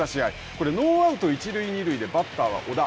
これ、ノーアウト一塁二塁でバッターは小田。